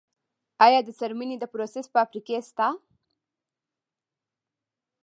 آیا د څرمنې د پروسس فابریکې شته؟